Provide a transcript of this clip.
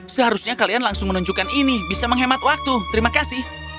seharusnya kalian langsung menunjukkan ini bisa menghemat waktu terima kasih